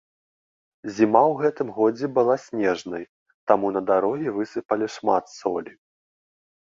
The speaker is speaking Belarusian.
Зіма ў гэтым годзе была снежнай, таму на дарогі высыпалі шмат солі.